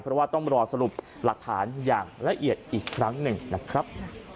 เพราะว่าต้องรอสรุปหลักฐานอย่างละเอียดอีกครั้งหนึ่งนะครับ